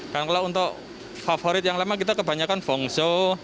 dan kalau untuk favorit yang lemah kita kebanyakan pungzau